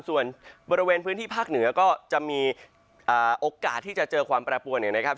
ส่วนบริเวณพื้นที่ภาคเหนือก็จะมีโอกาสที่จะเจอความแปรปวนเนี่ยนะครับ